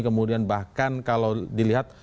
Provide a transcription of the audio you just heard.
kemudian bahkan kalau dilihat